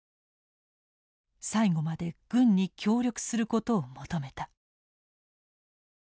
最後まで軍に協力することを求めた。